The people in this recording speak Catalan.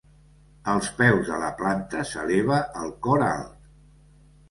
Als peus de la planta s'eleva el cor alt.